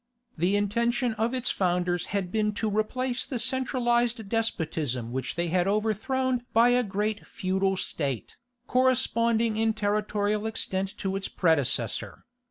The intention of its founders had been to replace the centralized despotism which they had overthrown by a great feudal state, corresponding in territorial extent to its predecessor.